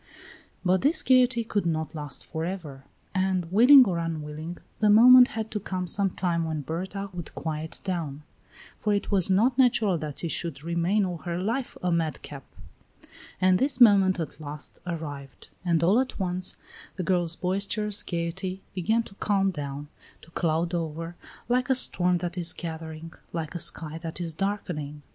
But this gayety could not last for ever; and, willing or unwilling, the moment had to come some time when Berta would quiet down; for it was not natural that she should remain all her life a madcap; and this moment at last arrived; and all at once the girl's boisterous gayety began to calm down, to cloud over, like a storm that is gathering, like a sky that is darkening.